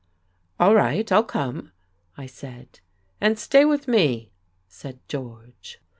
"All right, I'll come," I said. "And stay with me," said George....